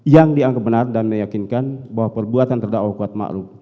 yang dianggap benar dan meyakinkan bahwa perbuatan terdakwa kuat maklum